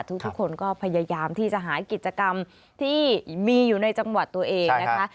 ทุกคนก็พยายามที่จะหากิจกรรมที่มีอยู่ในจังหวัดตัวเองนะคะ